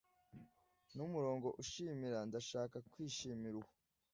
numurongo ushimira ndashaka kwishimira uwo